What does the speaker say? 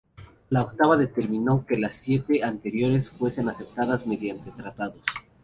La octava determinó que las siete anteriores fuesen aceptadas mediante tratados.